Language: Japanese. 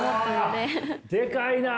でかいな！